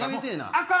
あかん